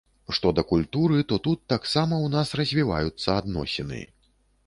Што да культуры, то тут таксама ў нас развіваюцца адносіны.